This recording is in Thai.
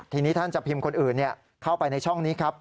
ทีนี้ท่านจะพิมพ์คนอื่นเข้าไปในช่องนี้ครับ